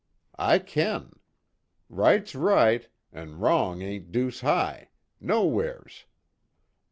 I kin. Right's right an' wrong ain't deuce high, nowheres.